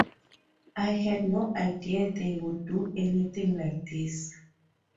I had no idea they would do anything like this.